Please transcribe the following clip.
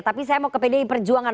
tapi saya mau kepedean perjuangan